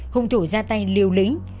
hùng thủ ra tay liều lĩnh